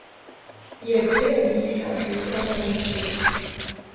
也只有一票直销的东西